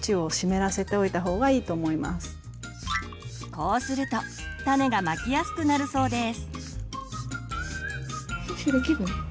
こうすると種がまきやすくなるそうです。